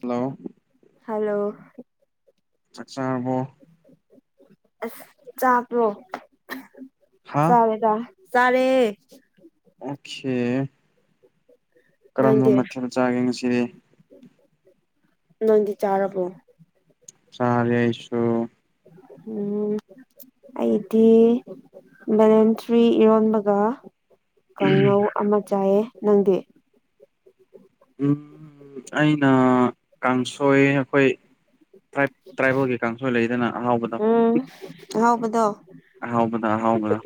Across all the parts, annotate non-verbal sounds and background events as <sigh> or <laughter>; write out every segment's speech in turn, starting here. hello hello ꯑꯆꯥꯕꯣ ꯑ ꯆꯥꯄ꯭ꯔꯣ ꯍꯥ ꯆꯔꯦꯗ ꯇꯔꯦ ꯑꯦ ꯀꯔꯝꯕ ꯃꯊꯦꯜ ꯆꯥꯒꯦ ꯉꯁꯤꯗꯤ ꯅꯗꯤ ꯆꯥꯔꯔꯕꯣ ꯆꯔꯦ ꯑꯁꯨꯣ ꯎꯝ ꯑꯩꯗꯤ ꯕꯂꯦꯟꯇ꯭ꯔꯤ ꯏꯔꯣꯟꯕꯒ ꯀꯥꯡꯉꯧ ꯑꯃ ꯆꯥꯏꯑ ꯅꯪꯗꯤ ꯎꯝ ꯑꯩꯅ ꯀꯥꯡꯁꯣꯏ ꯑꯩꯈꯣꯏ ꯇ꯭ꯔꯥꯏꯕꯦꯜꯒꯤ ꯀꯥꯡꯁꯣꯏ ꯂꯩꯗꯅ ꯑꯍꯥꯎꯕꯗ ꯍꯥꯎꯕꯗꯣ ꯍꯥꯎꯕꯗ ꯍꯥꯎꯕꯗ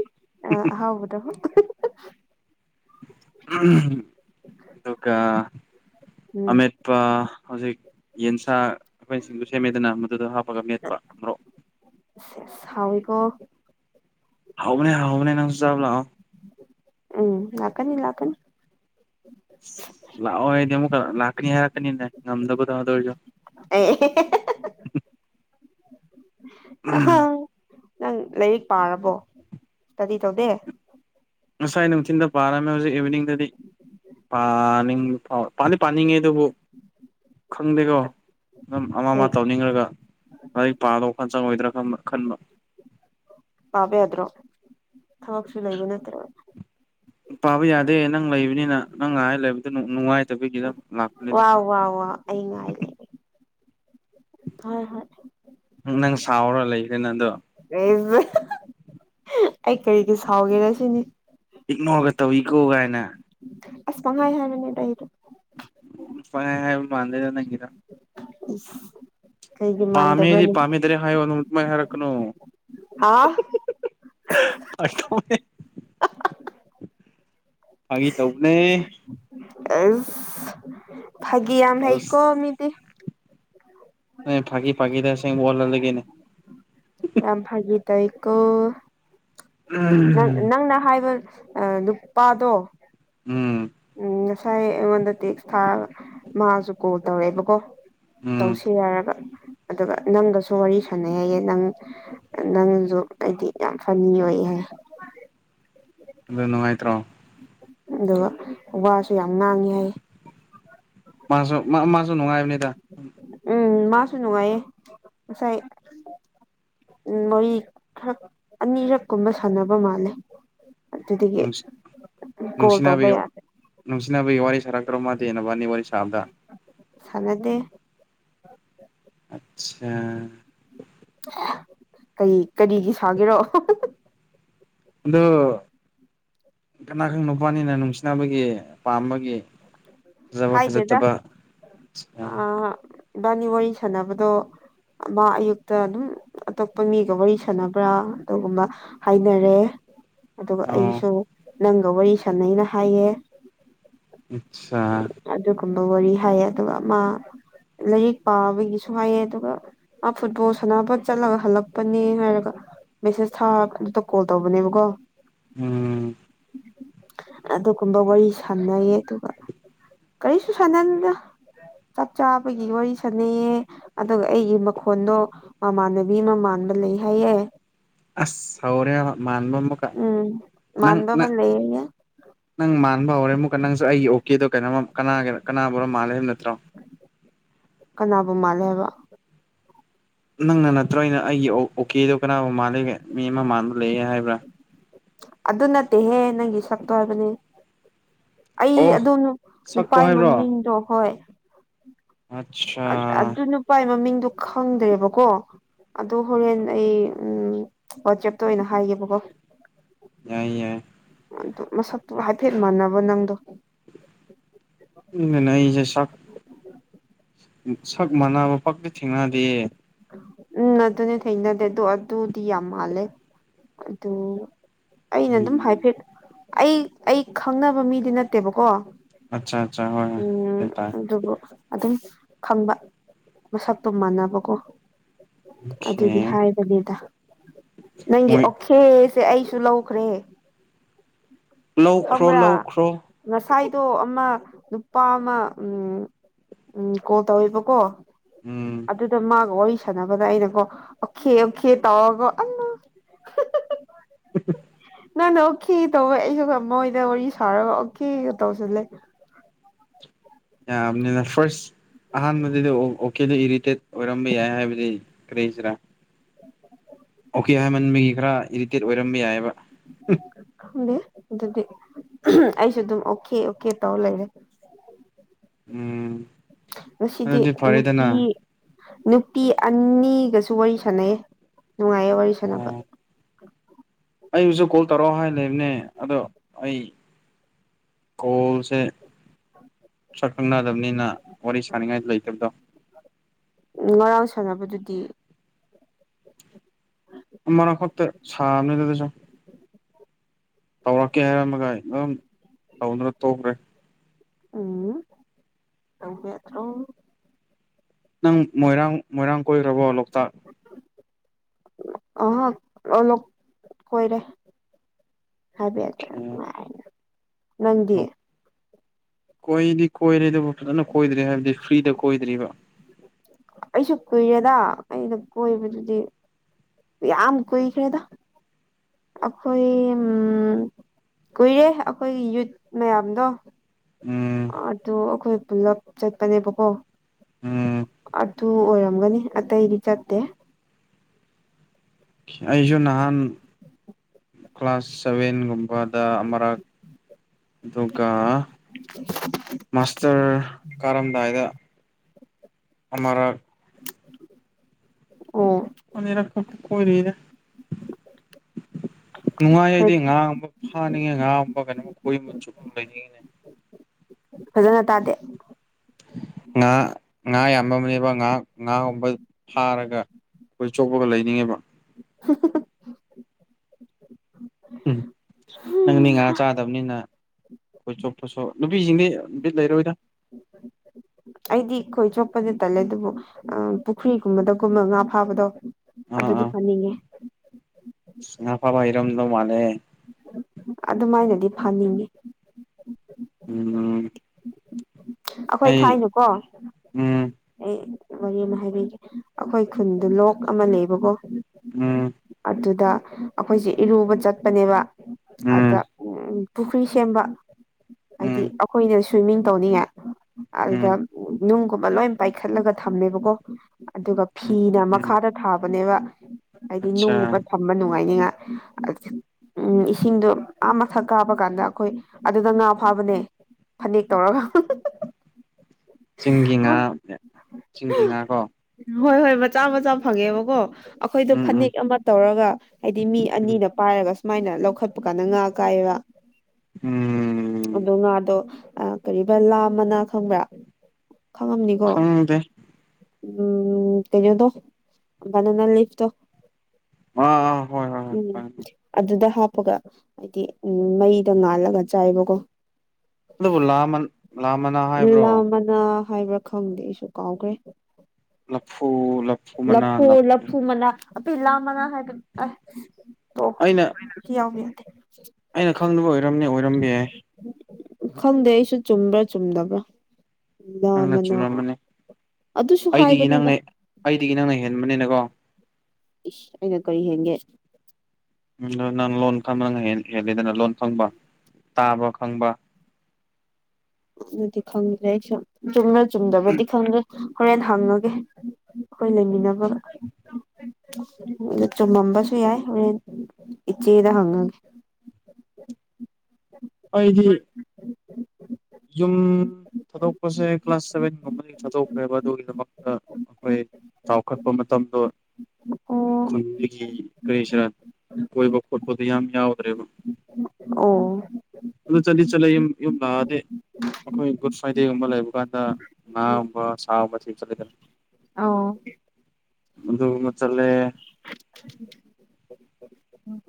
ꯑ ꯍꯥꯎꯗ ꯑꯗꯨꯒ ꯑꯗꯨꯒꯗꯨ ꯎꯝ ꯑꯃꯃꯤꯠꯄꯥ ꯍꯧꯖꯤꯛ ꯌꯦꯟꯁꯥ ꯑꯩꯈꯣꯏ ꯁꯤꯡꯗꯨ ꯁꯦꯝꯃꯦꯗꯅ ꯃꯗꯨꯗꯣ ꯍꯥꯞꯄꯒ ꯃꯦꯠꯄ ꯑꯃ꯭ꯔꯣꯛ ꯍꯥꯎꯀꯣ ꯍꯥꯎꯕꯅ ꯍ ꯍꯧꯕꯕꯅꯦꯅ ꯆꯕ ꯂ ꯎꯝ ꯂꯥꯛꯀꯅꯤ ꯏ ꯂ ꯍꯥꯀꯅꯤ ꯂꯥꯛꯑꯣ ꯑꯩꯗꯤ ꯑꯃꯨꯛ ꯂꯥꯛꯀꯅꯤ ꯍꯥꯏꯔꯛꯀꯅꯤꯅꯦ ꯉꯝꯗꯕꯗꯧꯗꯧꯔꯁꯨ <inaudible> ꯎꯝ ꯑꯍꯪ ꯅꯪ ꯂꯥꯏꯔꯤꯛ ꯄꯥꯔꯕꯣ ꯀꯗꯤ ꯇꯧꯗꯦ ꯉꯁꯥꯏ ꯅꯨꯡꯊꯤꯟꯗ ꯄꯥꯔꯝꯃꯦ ꯍꯧꯖꯤꯛ ꯏꯚꯤꯅꯤꯡꯗꯗꯤꯥꯅꯤꯡ ꯄꯥꯗꯤ ꯄꯥꯅꯤꯡꯉꯦ ꯑꯗꯨꯕ ꯈꯪꯗꯦꯀꯣ ꯑꯗꯨꯝ ꯑꯃ ꯑꯃ ꯀꯩ ꯇꯧꯅꯤꯡꯈ꯭ꯔꯒ ꯂꯥꯏꯔꯤꯛ ꯄꯥꯗꯧ ꯈ ꯆꯪꯉꯣꯏꯗ꯭ꯔꯥ ꯈꯟꯕ ꯄꯕꯦ꯭ꯔꯣ ꯊꯋꯥꯛꯁꯨ ꯂꯩ ꯂꯩꯕ ꯅꯠꯇ꯭ꯔ ꯄꯥꯕ ꯌꯥꯗꯦ ꯅꯪ ꯂꯩꯕꯅꯤꯅ ꯅꯪ ꯉꯥꯏꯍꯥꯏ ꯂꯩꯕꯗ ꯅꯨꯡꯉꯥꯏꯇꯕꯒꯤꯗꯪ ꯋꯥ ꯋꯥ ꯋꯥ ꯑ ꯉ ꯂꯩ ꯍꯣꯏ ꯍꯣꯏ ꯅꯪ ꯁꯥꯎꯔꯣ ꯂꯩꯈ꯭ꯔꯦꯅ ꯑꯗꯣ ꯑꯩ ꯀꯔꯤꯒꯤ ꯁꯥꯎꯒꯦꯔ ꯁꯤꯅꯤ ꯏꯛꯅꯣꯔꯒ ꯇꯧꯏꯀꯣ ꯀꯥꯏꯅ ꯑꯁ ꯃꯉꯥꯏ ꯍꯅꯤꯗ ꯍꯥꯏꯗ ꯃꯥꯟꯗꯗ ꯅꯪꯒꯤꯗ ꯎ ꯄꯥꯃꯤꯗꯤ ꯄꯥꯃꯤꯗꯔꯦ ꯍꯥꯏꯌꯣ ꯅꯨꯃꯤꯛꯇ ꯃꯥ ꯍꯥꯏꯔꯛꯅꯣ ꯍꯥ ꯑꯁ ꯐꯥꯒꯤ ꯇꯧꯕꯅꯦ ꯑ ꯐꯒ ꯌꯥꯝ ꯍꯥꯏꯀꯣ ꯃꯤꯗꯤ ꯑ ꯐꯥꯀꯤ ꯐꯥꯀꯤꯗ ꯁꯦꯡ ꯋꯥꯣ ꯂꯩꯒꯦꯅꯦ ꯌꯥꯝ ꯐ ꯇ ꯏꯀꯣ ꯅ ꯎꯝ ꯅꯪꯅ ꯍꯥꯏꯕ ꯅꯨꯄꯥꯗꯣ ꯎꯝ ꯎꯝ ꯉꯁꯥꯏ ꯑꯩꯉꯣꯟꯗ ꯇꯦꯛ ꯊꯥ ꯃꯥꯥꯁꯨ ꯀꯣꯜ ꯇꯧꯔꯛꯑꯦꯕꯀꯣ ꯎꯝ ꯇꯧꯁꯤꯔꯔꯒ ꯑꯗꯨꯒ ꯅꯪꯒꯁꯨ ꯋꯥꯔꯤ ꯁꯥꯟꯅꯩ ꯍꯥꯏꯌꯦ ꯅꯪ ꯅꯪꯁꯨ ꯑꯩꯗꯤ ꯌꯥꯝ ꯐꯅꯤ ꯑꯣꯏ ꯍꯥꯏ ꯑꯣ ꯅꯨꯡꯉꯥꯏꯇ꯭ꯔꯣ ꯑꯗꯨꯒ ꯋꯥꯁꯨ ꯌꯥꯝ ꯉꯥꯡꯉꯤ ꯍꯥꯏ ꯃꯥꯁꯨ ꯃꯥꯁꯨ ꯅꯨꯡꯉꯥꯏꯕꯅꯤꯗ ꯎꯝ ꯃꯥꯁꯨꯅꯅꯨꯡꯉꯥꯏꯦ ꯉꯁꯥꯏ ꯎꯝ ꯃꯣꯏ ꯈꯔꯛ ꯑꯅꯤꯔꯛ ꯀꯨꯝꯕ ꯁꯥꯟꯅꯕ ꯃꯥꯜꯂꯦ ꯑꯗꯨꯗꯒꯤ ꯅꯨꯡꯁꯤ ꯀꯣꯜ ꯇꯧꯕ ꯅꯨꯡꯁꯤꯅꯕꯒꯤ ꯌꯥꯗ꯭ꯔꯦ ꯅꯨꯡꯁꯤꯅꯕꯒꯤ ꯋꯥꯔꯤ ꯁꯥꯔꯛꯇ꯭ꯔꯣ ꯃꯥꯗꯦꯟꯅꯅꯕ ꯑꯅꯤ ꯋꯥꯔꯤ ꯁꯥꯕꯗ ꯆꯂꯗꯦ ꯑꯆꯥ ꯀꯩ ꯀꯔꯤꯒꯤ ꯁꯥꯒꯦꯔꯣ ꯑꯗ ꯀꯅꯥꯒꯪ ꯅꯨꯄꯥꯅꯤꯅ ꯅꯨꯡꯁꯤꯅꯕꯒꯤ ꯄꯥꯝꯕꯒꯤ ꯐꯖꯕ ꯍꯥꯏꯗꯦꯗ ꯐꯖꯠꯇꯕ ꯑ ꯑꯥ ꯏꯕꯥꯅꯤ ꯋꯥꯔꯤ ꯁꯥꯟꯅꯕꯗꯣ ꯃꯥ ꯑꯌꯨꯛꯇ ꯑꯗꯨꯝ ꯑꯇꯣꯞꯄ ꯃꯤꯒ ꯋꯥꯔꯤ ꯁꯥꯟꯅꯕ꯭ꯔꯥ ꯑꯗꯨꯒꯨꯝꯕ ꯍꯥꯏꯅꯔꯦ ꯑꯗꯨꯒ ꯑꯣ ꯑꯩꯁꯨ ꯅꯪꯒ ꯋꯥꯔꯤ ꯁꯥꯟꯅꯩꯅ ꯍꯥꯏꯌꯦ ꯑꯆꯥ ꯑꯗꯨꯒꯨꯝꯕ ꯋꯥꯔꯤ ꯍꯥꯏꯌꯦ ꯑꯗꯨꯒ ꯃꯥ ꯂꯥꯏꯔꯤꯛ ꯄꯥꯕꯒꯤꯁꯨ ꯍꯥꯏꯌꯦ ꯑꯗꯨꯒ ꯑ ꯐꯨꯠꯕꯣꯜ ꯁꯅꯥꯄꯣꯠ ꯆꯠꯂꯒ ꯍꯜꯂꯛꯄꯅꯦ ꯍꯥꯏꯔꯒ ꯃꯦꯁꯦꯁ ꯊꯥꯗꯨꯗ ꯀꯣꯜ ꯇꯧꯕꯅꯦꯕꯀꯣ ꯎꯝ ꯑꯗꯨꯒꯨꯝꯕ ꯋꯥꯔꯤ ꯁꯥꯟꯅꯩꯌꯦ ꯑꯗꯨꯒ ꯀꯔꯤꯁꯨ ꯁꯥꯟꯅꯗ ꯆꯞ ꯆꯥꯕꯒꯤ ꯋꯥꯔꯤ ꯁꯥꯟꯅꯩꯌꯦ ꯑꯗꯨꯒ ꯑꯩꯒꯤ ꯃꯈꯣꯟꯗꯣ ꯃꯃꯥꯟꯅꯕꯤ ꯃꯃꯥꯟ ꯂꯩ ꯍꯥꯏꯌꯦ ꯑꯁ ꯁꯥꯎꯔ ꯃꯥꯟꯕꯝ ꯃꯈꯀꯥ ꯎꯝ ꯅꯪ ꯃꯥꯟꯕ ꯑꯃ ꯅꯪ ꯂꯩꯌꯦ ꯅꯪ ꯃꯥꯟꯕ ꯍꯧꯔꯦ ꯑꯃꯨꯛꯀ ꯅꯪꯁꯨ ꯑꯩꯒꯤ ꯑꯣꯀꯦꯗꯣ ꯀꯩꯅꯣ ꯀꯅꯥ ꯀꯅꯥꯕꯨ ꯃꯥꯜꯂꯦ ꯍꯥꯏ ꯅꯠꯇ꯭ꯔꯣ ꯀꯅꯥꯕꯨ ꯃꯥꯜꯂꯦ ꯍꯥꯏꯕ ꯅꯪꯅ ꯅꯠꯇ꯭ꯔꯣꯅ ꯑꯩꯒꯤ ꯑꯣꯀꯦꯗꯣ ꯀꯅꯥꯒ ꯃꯥꯜꯂꯤꯒꯦ ꯃꯤ ꯑꯃ ꯃꯥꯟꯕ ꯂꯩꯒꯦ ꯍꯥꯏꯕ꯭ꯔꯥ ꯑꯗꯨ ꯅꯠꯇꯦꯍꯦ ꯅꯪꯒꯤ ꯁꯛꯇꯣ ꯍꯥꯏꯕꯅꯦ ꯑꯩ ꯑꯣ ꯑꯗꯨꯝ ꯅꯨꯄꯥ ꯁꯛꯇꯣ ꯍꯥꯏꯕ꯭ꯔꯣ ꯃꯃꯤꯡꯗꯣ ꯍꯣꯏ ꯑꯠꯁꯥ ꯑꯗꯨ ꯅꯨꯄꯥꯒꯤ ꯃꯃꯤꯡꯗꯣ ꯈꯪꯗ꯭ꯔꯦꯕꯀꯣ ꯑꯗꯨ ꯍꯣꯔꯦꯟ ꯑꯩ ꯎꯝ ꯋꯥꯆꯦꯞꯇ ꯑꯣꯏꯅ ꯍꯥꯏꯒꯦꯕꯀꯣ ꯌꯥꯏ ꯌꯥꯏ ꯑꯗꯨ ꯃꯁꯛꯇꯨ ꯍꯥꯏꯐꯦꯠ ꯃꯥꯟꯅꯕ ꯅꯪꯗꯣ ꯅꯁꯦ ꯁꯛ ꯁꯛ ꯃꯥꯟꯅꯕ ꯄꯥꯛꯇꯤ ꯊꯦꯡꯅꯗꯦ ꯎꯝ ꯑꯗꯨꯅꯦ ꯊꯦꯡꯅꯗꯦ ꯑꯗꯨ ꯑꯗꯨꯗꯤ ꯌꯥꯝ ꯃꯥꯜꯂꯦ ꯑꯗꯨ ꯑꯩꯅ ꯑꯗꯨꯝ ꯎꯝ ꯍꯥꯏꯐꯦꯠ ꯑꯩ ꯑꯩ ꯈꯪꯅꯕ ꯃꯤꯗꯤ ꯅꯠꯇꯦꯕꯀꯣ ꯑꯠꯆꯥ ꯑꯠꯆꯥ ꯍꯣꯏ ꯍꯣꯏ ꯎꯝ ꯒ꯭ꯌꯥꯟ ꯇꯥꯔꯦ ꯑꯗꯨꯕꯨ ꯑꯗꯨꯝ ꯈꯪꯕ ꯃꯁꯛꯇꯣ ꯃꯥꯟꯅꯕꯀꯣ ꯑꯣꯈꯦ ꯑꯗꯨꯒꯤ ꯍꯥꯏꯕꯅꯦꯗ ꯅꯪꯒꯤ ꯃꯣꯏ ꯑꯣꯈꯦꯁꯦ ꯑꯩ ꯇꯨꯍꯧꯈ꯭ꯔꯦ ꯂꯧꯈ꯭ꯔꯣ ꯂꯧꯈ꯭ꯔꯣ ꯁꯥꯏꯗꯣ ꯑꯃ ꯅꯨꯄꯥ ꯑꯃ ꯎ ꯎꯝ ꯀꯣꯜ ꯇꯧꯋꯦꯕꯀꯣ ꯎꯝ ꯑꯗꯨꯗ ꯃꯥꯒ ꯍꯣꯏꯁ ꯁꯥꯟꯅꯕꯗ ꯑꯩꯅꯀꯣ ꯑꯣꯈꯦ ꯑꯣꯛꯈꯦ ꯇꯧꯔꯒꯣ ꯑ <inaudible> ꯉꯥꯟꯗ ꯑꯣꯀꯦ ꯇꯧꯋꯦ ꯑꯩꯁꯨ ꯃꯣꯏꯗ ꯋꯥꯔꯤ ꯁꯥꯔꯒ ꯑꯣꯀꯦꯒ ꯇꯧꯁꯤꯜꯂꯦ ꯌꯥꯅꯤꯅ ꯐꯥꯔꯁ ꯑꯍꯥꯟꯕꯗꯗꯤ ꯑꯣꯀꯦꯗꯣ ꯏꯔꯤꯇꯦꯠ ꯑꯣꯏꯔꯝꯕ ꯌꯥꯏ ꯍꯥꯏꯕꯗꯤ ꯀꯔꯤꯁꯤꯔꯥ ꯈꯟꯕꯒꯤ ꯈꯔ ꯏꯔꯤꯇꯦꯠ ꯑꯣꯏꯔꯝꯕ ꯌꯥꯏꯑꯕ ꯑꯗꯨꯗꯤ ꯑꯩꯁꯨ ꯑꯗꯨꯝ ꯑꯣꯀꯦ ꯑꯣꯀꯦ ꯇꯧ ꯂꯩꯔꯦ ꯎꯝ ꯉꯁꯤꯗꯤ ꯑꯗꯨꯗꯤ ꯐꯔꯦꯗꯅ ꯅꯨꯄꯤ ꯅꯨꯄꯤ ꯑꯅꯤꯒꯁꯨ ꯋꯥꯔꯤ ꯁꯥꯟꯅꯩ ꯅꯨꯡꯉꯥꯏꯌꯦ ꯋꯥꯔꯤ ꯁꯅꯕ ꯑ ꯑꯣ ꯑꯩꯕꯨꯁꯨ ꯀꯣꯜ ꯇꯧꯔꯛꯑꯣ ꯍꯥꯏ ꯂꯩꯕꯅꯦ ꯑꯗꯣ ꯑꯩ ꯀꯣꯜꯁꯦ ꯁꯛ ꯈꯪꯅꯗꯕꯅꯤꯅ ꯋꯥꯔꯤ ꯁꯅꯤꯡꯉꯥꯏ ꯂꯩꯇꯕꯗꯣ ꯎ ꯉꯔꯥꯡ ꯁꯥꯟꯅꯕꯗꯨꯗꯤ ꯃꯅ ꯈꯠꯇ ꯁꯝꯅꯤꯗꯗꯁ ꯇꯧꯔꯛꯀꯦ ꯍꯥꯏꯔꯝꯃꯒ ꯑꯗꯨꯝ ꯇꯧꯗꯨꯅ ꯇ ꯊꯣꯛꯈ꯭ꯔꯦ ꯎꯝꯣ ꯅꯪ ꯃꯣꯏꯔꯥꯡ ꯃꯣꯏꯔꯥꯡ ꯀꯣꯏꯈ꯭ꯔꯔꯕꯣ ꯂꯣꯛꯇꯥꯛ ꯑꯍ ꯑꯣꯂꯞ ꯀꯔ ꯍꯥꯏꯕꯠꯇꯅ ꯀꯣꯏꯗꯤ ꯀꯣꯏꯔ ꯑꯗꯨꯕꯨ ꯐꯖꯅ ꯀꯣꯏꯗ꯭ꯔꯦ ꯍꯥꯏꯕꯗꯤ ꯐ꯭ꯔꯤꯗ ꯀꯣꯏꯗ꯭ꯔꯤꯕ ꯑꯩꯁꯨ ꯀꯨꯏꯔꯦꯗ ꯑꯩꯅ ꯀꯣꯏꯕꯗꯨꯗꯤ ꯌꯥꯝ ꯀꯣꯏ ꯀ꯭ꯔꯦꯗ ꯑꯩꯈꯣꯏ ꯀꯨꯏꯔꯦ ꯑꯩꯈꯣꯏꯒꯤ ꯌꯨꯠ ꯃꯌꯥꯝꯗꯣ ꯎꯝ ꯑꯗꯨ ꯑꯩꯈꯣꯏ ꯄꯨꯂꯞ ꯆꯠꯄꯅꯦꯕꯀꯣ ꯎꯝ ꯑꯗꯨ ꯑꯣꯏꯔꯝꯒꯅꯤ ꯑꯇꯩꯗꯤ ꯆꯠꯇꯦ ꯑꯩꯁꯨ ꯅꯍꯥꯟ ꯀ꯭ꯂꯥꯁ ꯁꯚꯦꯟꯒꯨꯝꯕꯗ ꯑꯃꯔꯛ ꯑꯗꯨꯒ ꯃꯥꯁꯇꯔ ꯀꯥꯔꯝꯗꯥꯏꯗ ꯑꯔ ꯑꯣ ꯑꯅꯤꯔ ꯈ ꯀꯣꯏꯔꯗ ꯅꯨꯡꯉꯥꯏ ꯑꯩꯗꯤ ꯉꯥ ꯑꯃ ꯐꯥꯅꯤꯡꯉꯦ ꯉꯥꯕ ꯀꯩꯅꯣꯝ ꯀꯣꯏꯕ ꯆꯨꯞ ꯂꯩꯅꯤꯡꯉꯤꯅꯦ ꯐꯖꯅ ꯇꯥꯗꯦ ꯉꯥ ꯉꯥ ꯌꯥꯝꯕ ꯑꯃꯅꯦꯕ ꯉꯍ ꯉꯥꯒꯨꯝꯕ ꯐꯥꯔꯒ ꯑꯩꯈꯣꯏ ꯆꯣꯛꯄꯒ ꯂꯩꯅꯤꯡꯉꯦꯕ <unintelligible> ꯎꯝ ꯅꯪ ꯃꯤ ꯉꯥ ꯆꯥꯗꯕꯅꯤꯅ ꯑꯩꯣꯏ ꯆꯣꯣꯠꯁꯨ ꯅꯨꯄꯤꯁꯤꯡꯗꯤ ꯅꯨꯄꯤꯠ ꯂꯩꯔꯣꯏꯗ ꯎꯝ ꯑꯩꯗꯤꯈꯣꯏ ꯆꯣꯄꯗꯤ ꯇꯜꯂꯦ ꯑꯗꯨꯕꯨ ꯄꯨꯈ꯭ꯔꯤꯒꯨꯝꯕꯗꯒꯨꯝꯕ ꯉꯥ ꯐꯥꯕꯗꯣ ꯑꯗꯤ ꯐꯅꯤꯡꯉ ꯉ ꯐꯕ ꯏꯔꯝꯗꯧ ꯃꯥꯅꯦꯦ ꯑꯗꯨꯃꯥꯏꯅꯗꯤ ꯐꯅꯤꯡꯉꯤ ꯎꯝ ꯑꯩꯈꯣꯏ ꯑꯩ ꯊꯥꯏꯅꯨꯀꯣ ꯎꯝ ꯑꯩ ꯋꯥꯔꯤ ꯑꯃ ꯍꯥꯏꯕꯤꯒꯦ ꯑꯩꯈꯣꯏ ꯈꯨꯟꯗꯨ ꯂꯣꯛ ꯑꯃ ꯂꯩꯕꯀꯣ ꯎꯝ ꯑꯗꯨꯗ ꯑꯩꯈꯣꯏꯁꯦ ꯏꯔꯨꯕ ꯆꯠꯄꯅꯦꯕ ꯑꯗ ꯎꯝ ꯎꯝ ꯄꯨꯈ꯭ꯔꯤ ꯁꯦꯝꯕ ꯍꯥꯏꯗꯤ ꯎꯝ ꯑꯩꯈꯣꯏꯅ ꯁ꯭ꯋꯤꯝꯃꯤꯡ ꯇꯧꯅꯤꯡꯉꯥꯏ ꯑꯗꯨꯗ ꯎꯝ ꯅꯨꯡꯒꯨꯝꯕ ꯂꯣꯏ ꯄꯥꯏꯈꯠꯂꯒ ꯊꯝꯃꯦꯕꯀꯣ ꯑꯗꯨꯒ ꯎꯝ ꯐꯤꯅ ꯎꯝ ꯃꯈꯥꯗ ꯊꯥꯕꯅꯦꯕ ꯍꯥꯏꯗꯤ ꯑꯠꯆꯥ ꯅꯨꯡꯉꯨꯕ ꯊꯝꯕ ꯅꯨꯡꯉꯥꯏꯅꯤꯉꯥꯏ ꯎꯝ ꯏꯁꯤꯡꯗꯣ ꯑꯥ ꯃꯊꯛ ꯀꯥꯞꯕ ꯀꯥꯟꯗ ꯑꯩꯈꯣꯏ ꯑꯗꯨꯗ ꯉ ꯐꯥꯕꯅꯦ ꯐꯅꯦꯛ ꯇꯧꯔꯒ ꯆꯤꯡꯒꯤ ꯉꯥ ꯆꯤꯡꯒꯤ ꯉꯥ ꯀꯣ ꯍꯣꯏ ꯍꯣꯏ ꯃꯆꯥ ꯃꯆꯥ ꯐꯪꯉꯦꯕꯀꯣ ꯑꯩꯈꯣꯏꯗꯣ ꯎꯝ ꯎꯝ ꯐꯅꯦꯛ ꯑꯃ ꯇꯧꯔꯒ ꯍꯥꯏꯗꯤ ꯃꯤ ꯎꯝ ꯑꯅꯤꯅ ꯄꯥꯏꯔꯒ ꯁꯨꯃꯥꯏꯅ ꯂꯧꯈꯠꯄ ꯀꯥꯟꯗ ꯉꯥ ꯀꯥꯏꯌꯦꯕ ꯎꯝ ꯑꯗꯣ ꯉꯥꯗꯣ ꯑ ꯀꯔꯤꯕ ꯂꯥ ꯃꯅꯥ ꯈꯪꯕ꯭ꯔꯥ ꯈꯪꯉꯝꯅꯤꯀꯣ ꯈꯪꯗꯦ ꯎꯝ ꯀꯩꯅꯣꯗꯣꯕꯥꯅꯅ ꯂꯤꯐꯇ ꯑꯥ ꯍꯣꯏ ꯍꯣꯏ ꯍꯣꯏ ꯎꯝ ꯑꯗꯨꯗ ꯍꯥ ꯑꯗꯨꯒ ꯍꯥꯏꯗꯤ ꯎꯝ ꯃꯩꯗ ꯉꯥꯜꯂꯒ ꯆꯥꯏꯕꯀꯣ ꯑꯗꯨꯕꯨ ꯂꯥ ꯂꯥ ꯃꯅꯥ ꯍꯥꯏꯕ꯭ꯔꯣ ꯑ ꯍꯥꯏꯕ꯭ꯔꯥ ꯈꯪꯗꯦ ꯑꯩꯁꯨ ꯀꯥꯎꯈ꯭ꯔꯦ ꯂꯐꯨ ꯂꯐꯨ ꯃꯅꯥ ꯂꯐꯨ ꯑꯄꯤꯤꯂ ꯃꯅ ꯍꯥꯏ ꯑꯣ ꯑꯩꯅ ꯌꯥꯎꯒ ꯑꯩꯅ ꯈꯪꯗꯕ ꯑꯣꯏꯔꯝꯅꯤ ꯑꯣꯏꯔꯝꯕ ꯌꯥꯏ ꯈꯪꯗꯦ ꯑꯩꯁꯨ ꯆꯨꯝꯕ꯭ꯔꯥ ꯆꯨꯝꯗꯕ꯭ꯔꯥ ꯂꯥ ꯅꯪꯅ ꯃꯅꯥ ꯆꯨꯝꯂꯝꯝꯕꯅꯤ ꯑꯗꯨꯁꯨ ꯑꯩꯗꯒꯤ ꯍꯥꯏꯕꯅꯤꯗ ꯅꯪꯅ ꯑꯩꯗꯒꯤ ꯅꯪꯅ ꯍꯦꯟꯕꯅꯤꯅꯀꯣ ꯏꯁ ꯑꯩꯅ ꯀꯔꯤ ꯍꯦꯟꯒꯦ ꯍꯦꯕꯤꯗꯅ ꯂꯣꯟ ꯐꯪꯕ ꯇꯥꯕ ꯈꯪꯕ ꯑꯗꯨꯗꯤ ꯈꯪꯗ꯭ꯔꯦ ꯑꯩꯨꯝ ꯆꯨꯝꯅ ꯆꯨꯝꯗꯕꯗꯤ ꯈꯪꯗ꯭ꯔꯦ ꯍꯣꯔꯦꯟ ꯍꯪꯉꯒꯦ ꯑꯩꯈꯣꯏ ꯂꯩꯃꯤꯟꯅꯕ ꯑꯣ ꯆꯃꯝꯕꯁꯁꯨ ꯌꯥ ꯍ ꯏꯆꯦꯗ ꯍꯥꯡꯒ ꯑꯩꯣꯏꯗꯤ ꯎꯝ ꯌꯨꯝ ꯊꯥꯗꯣꯛꯄꯁꯦ ꯀ꯭ꯂꯥꯁ ꯁꯚꯦꯟꯒꯨꯝꯕꯗꯒꯤ ꯊꯥꯗꯣꯛꯈ꯭ꯔꯦꯕ ꯑꯗꯨꯒꯤꯗꯃꯛꯇ ꯑꯩꯈꯣꯏ ꯆꯥꯎꯈꯠꯄ ꯃꯇꯝꯗꯣ ꯑꯣ ꯈꯨꯟꯗꯒꯤ ꯀꯔꯤꯁꯤꯔꯥ ꯀꯣꯏꯕ ꯈꯣꯠꯄꯗꯨ ꯌꯥꯝ ꯌꯥꯎꯗ꯭ꯔꯦꯕ ꯑꯣ ꯑꯗꯨ ꯆꯂꯤ ꯆꯂꯨꯝ ꯌ ꯂꯗꯦ ꯑꯩꯈꯣꯏ ꯒꯨꯗ ꯐ꯭ꯔꯥꯏꯗꯦꯒꯨꯝꯕ ꯂꯩꯕ ꯀꯥꯟꯗ ꯉꯥꯒꯨꯝꯕ ꯁꯥꯒꯨꯝꯕ ꯊꯦꯡ ꯆꯠꯂꯦꯗꯅ ꯑ ꯃꯗꯨ ꯃꯆꯥꯂꯦ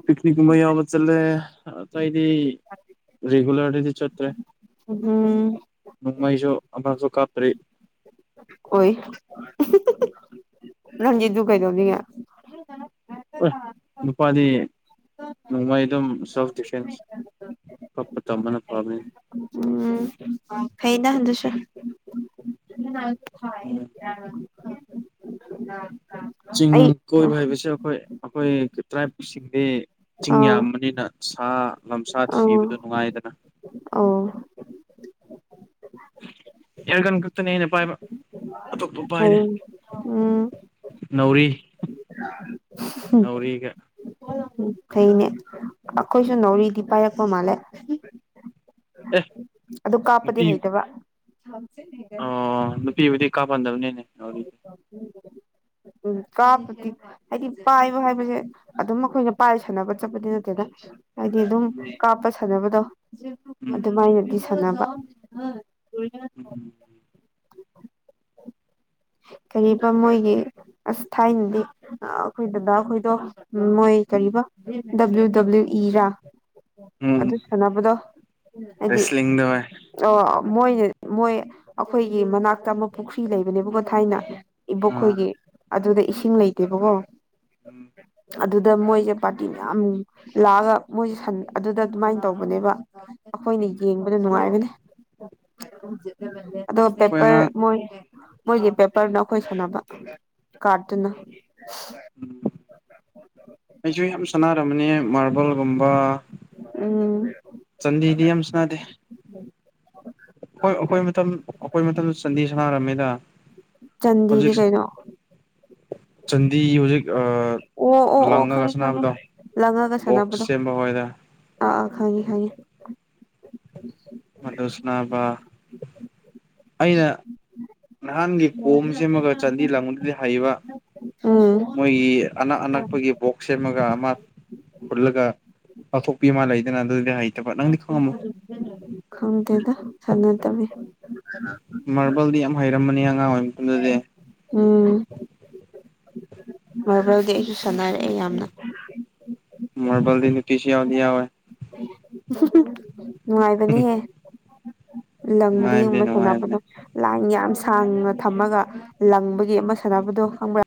ꯄꯤꯛꯅꯤꯛ ꯀꯨꯝꯕ ꯌꯥꯕ ꯆꯜꯦ ꯑ ꯏꯗꯤ ꯔꯦꯒꯨꯂꯔꯗꯤ ꯆꯠꯇ꯭ꯔꯦ ꯎꯝ ꯃꯩꯁꯨ ꯑꯐꯥꯡꯁꯨ ꯀꯥꯞꯇ꯭ꯔꯔꯤ ꯑꯣꯏꯣꯏ ꯔꯟꯖꯤꯗꯨꯕꯨ ꯀꯩꯗꯧꯅꯤ ꯌꯥ ꯅꯨꯄꯥꯗꯤ ꯅꯣꯡꯃꯩ ꯑꯗꯨꯝ ꯁꯦꯜꯐ ꯗꯤꯐꯦꯟꯁ ꯄꯄ ꯇꯃꯅ ꯐꯥꯕꯅꯤ ꯈꯩ ꯅꯍꯗꯨ ꯁ ꯎꯝ ꯍꯥꯏꯥꯏ ꯆꯤꯡ ꯑꯩ ꯑꯥ ꯀꯣꯏꯕ ꯍꯥꯏꯕꯁꯦ ꯑꯩꯈꯣꯏ ꯑꯩꯈꯣꯏ ꯇ꯭ꯔꯥꯏꯕꯁꯤꯡꯗꯤ ꯆꯤꯡ ꯑꯥ ꯌꯥꯝꯕꯅꯤꯅ ꯁꯥ ꯂꯝꯁꯥ ꯑꯣ ꯊꯤꯕꯗꯨ ꯅꯨꯡꯉꯥꯏꯗꯅ <inaudible> ꯑꯣ ꯌꯥꯔ ꯀꯟ ꯈꯛꯇꯅꯦ ꯑꯩꯅ ꯄꯥꯏꯕ ꯑꯇꯣꯞꯄ ꯄꯥꯏꯗ ꯐꯩ ꯎꯝ ꯅꯥꯎꯔꯤ ꯅꯥꯎꯔꯤꯒ ꯀꯩꯅꯦ ꯑꯩꯈꯣꯏꯁꯨ ꯅꯧꯔꯤ ꯗꯤꯄꯥꯥꯏꯔꯀꯣ ꯃꯥꯜꯦ ꯑꯦ ꯑꯗꯨ ꯀꯥꯞꯄꯗꯤ ꯅꯨꯄꯤ ꯍꯩꯇꯕ ꯀꯥ ꯄꯥꯟꯗꯕꯅꯦꯅꯦꯔꯤꯗꯤ ꯀꯥꯕꯗꯤ ꯍꯥꯏꯗꯤ ꯄꯥꯏꯕ ꯍꯥꯏꯕꯁꯦ ꯑꯗꯨꯝ ꯑꯩꯈꯣꯏꯅ ꯄꯥꯏ ꯁꯥꯟꯅꯕ ꯆꯠꯄꯗꯤ ꯅꯠꯇꯦꯗ ꯍꯥꯏꯗꯤ ꯑꯗꯨꯝ ꯎꯝ ꯀꯥꯞꯄ ꯁꯥꯟꯅꯕꯗꯣ ꯎꯝ ꯑꯗꯨꯃꯥꯏꯅꯗꯤ ꯁꯥꯟꯅꯕ ꯎꯝ ꯀꯔꯤꯕ ꯃꯣꯏꯒꯤ ꯑꯁ ꯊꯥꯏꯅꯗꯤ ꯑꯩꯈꯣꯏꯗꯨꯗ ꯑꯩꯈꯣꯏꯗꯣ ꯎꯝ ꯃꯣꯏ ꯀ ꯎꯝ ꯗꯕ꯭ꯂꯤꯎ ꯗꯕꯂꯤꯎ ꯏꯔ ꯎꯝ ꯑꯗꯨ ꯁꯥꯟꯅꯕꯗꯣ ꯍꯥꯏꯗꯤ ꯔꯦꯁꯂꯤꯡꯗ ꯍꯣꯏ ꯑꯣ ꯃꯣꯏꯅ ꯃꯣꯏ ꯑꯩꯈꯣꯏꯒꯤ ꯃꯅꯥꯛꯇ ꯑꯃꯨꯛ ꯄꯨꯈ꯭ꯔꯤ ꯂꯩꯕꯅꯦꯕꯀꯣ ꯊꯥꯏꯅ ꯑꯥ ꯏꯕꯣꯛꯈꯣꯏꯒꯤ ꯑꯗꯨꯗ ꯏꯁꯤꯡ ꯂꯩꯇꯦꯕꯀꯣ ꯎꯝ ꯑꯗꯨꯗ ꯃꯣꯏꯁꯦ ꯄꯥꯔꯇꯤ ꯃꯌꯥꯝ ꯂꯥꯛꯑꯒ ꯃꯣꯏꯁꯦꯟ ꯑꯗꯨꯗ ꯑꯗꯨꯃꯥꯏꯅ ꯇꯧꯕꯅꯦꯕ ꯑꯩꯈꯣꯏꯅ ꯎꯝ ꯌꯦꯡꯕꯗ ꯅꯨꯡꯉꯥꯏꯒꯅꯤ ꯑꯗꯣ ꯑꯩꯈꯣꯏ ꯄꯦꯄꯔ ꯑꯉꯥꯡ ꯃꯣꯏ ꯃꯣꯏꯒꯤ ꯄꯦꯄꯔꯅ ꯑꯩꯈꯣꯏ ꯁꯥꯟꯅꯕ ꯀꯥꯔꯠꯇꯨꯅ ꯎꯝ ꯑꯩꯁꯨ ꯌꯥꯝ ꯁꯥꯟꯅꯔꯝꯃꯅꯤ ꯃꯥꯔꯕꯜꯒꯨꯝꯕ ꯎꯝ ꯆꯗꯤ ꯅꯤꯌꯝꯁꯅꯗꯦ ꯍꯣꯏ ꯑꯩꯈꯣꯏ ꯃꯇꯝ ꯑꯩꯈꯣꯏ ꯃꯇꯝꯗ ꯆꯟꯗꯤ ꯁꯅꯥꯔꯝꯃꯤꯗ ꯆꯟꯗꯤꯗꯤ ꯀꯩꯅꯣ ꯆꯟꯗꯤ ꯍꯧꯖꯤꯦ ꯑꯣ ꯑꯣ ꯑꯣ ꯈꯪꯉꯦ ꯈꯪꯉꯦ ꯂꯪꯉꯒ ꯕꯣꯛꯁ ꯁꯥꯟꯅꯕꯗꯣ ꯁꯦꯝꯕ ꯍꯣꯏꯗ ꯑꯥ ꯑꯥ ꯈꯪꯉꯦ ꯈꯪꯉꯦ ꯃꯗꯨꯁꯅꯥꯕ ꯑꯩꯅ ꯅꯍꯥꯟꯒꯤ ꯀꯣꯝ ꯁꯦꯝꯃꯒ ꯆꯥꯟꯗꯤ ꯂꯪꯕꯗꯨꯗꯤ ꯍꯩꯕ ꯎꯝ ꯃꯣꯏꯒꯤ ꯑꯅꯛ ꯑꯅꯛꯄꯒꯤ ꯕꯣꯛ ꯁꯦꯝꯃꯒ ꯑꯃ ꯍꯨꯜꯂꯒ ꯂꯧꯊꯣꯛꯄꯤ ꯑꯃ ꯂꯩꯗꯅ ꯑꯗꯨꯗꯤ ꯍꯥꯏ ꯈꯪꯗꯦꯗ ꯁꯅ ꯇꯃꯦ ꯃꯥꯔꯕꯜꯗꯤ ꯌꯥꯝ ꯍꯩꯔꯝꯕꯅꯤ ꯑꯉꯥꯡ ꯑꯣꯏꯔꯤ ꯃꯐꯝꯗꯗꯤ ꯎꯝ ꯃꯥꯔꯕꯜꯗꯤ ꯑꯩꯁꯨ ꯁꯥꯟꯅꯔꯛꯑꯦ ꯌꯥꯝꯅ ꯃꯣꯔꯕꯜꯗꯗꯤ ꯄꯤꯁꯤ ꯌꯥꯎꯗ ꯑꯣꯏꯋ ꯅꯨꯡꯉꯥꯏꯕꯅꯦꯍꯦ ꯅꯨꯡꯉꯥꯏꯕꯅꯦ ꯂꯪꯕꯤꯕ ꯅꯨꯡꯉꯥꯏꯕꯅꯦ ꯁꯥꯟꯅꯕꯗꯣ ꯂꯥꯏ ꯌꯥꯝ ꯁꯥꯡꯅ ꯊꯝꯃꯒ ꯂꯪꯕꯒꯤ ꯑꯃ ꯁꯥꯟꯅꯕꯗꯣ ꯈꯪꯕ꯭ꯔꯥ